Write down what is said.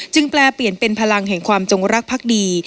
แปลเปลี่ยนเป็นพลังแห่งความจงรักพักดี